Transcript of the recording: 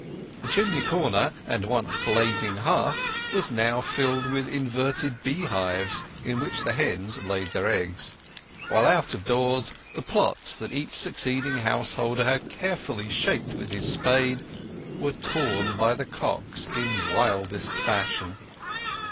The chimney corner and once blazing hearth was now filled with inverted beehives, in which the hens laid their eggs; while out of doors the plots that each succeeding householder had carefully shaped with his spade were torn by the cocks in wildest fashion.